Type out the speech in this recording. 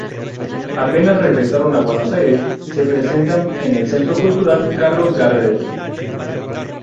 Apenas regresaron a Buenos Aires se presentan en el Centro Cultural Carlos Gardel.